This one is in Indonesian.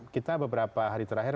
kita beberapa hari terakhir